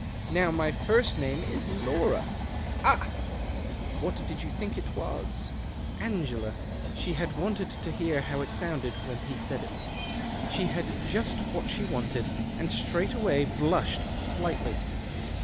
Now my first name is Laura." " Ah !"" What did you think it was ?"" Ano ela." THE OCTAVE OF CLAUDIUS. 167 She had wanted to hear how it sounded when he said it. She had just what she wanted, and straightway blushed slightly.